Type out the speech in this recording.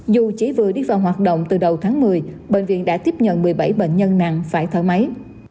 dù chỉ vừa đi vào hoạt động từ đầu tháng một mươi bệnh viện đã tiếp nhận một mươi bảy bệnh nhân nặng phải thở máy